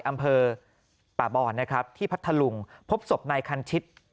อำเภอป่าบอนนะครับที่พัทธลุงพบศพนายคันชิต